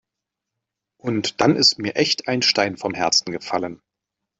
Und dann ist mir echt ein Stein vom Herzen gefallen.